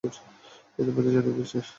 ইতোমধ্যেই জানিয়ে দিয়েছি।